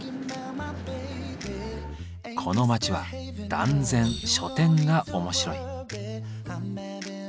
この街は断然書店が面白い。